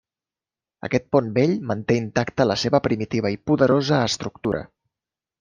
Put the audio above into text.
Aquest pont vell manté intacta la seva primitiva i poderosa estructura.